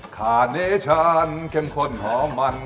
คาเนชั่นเค็มขนหอมมัน